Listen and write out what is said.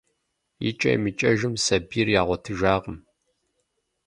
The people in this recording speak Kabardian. Икӏэм-икӏэжым сабийр ягъуэтыжакъым.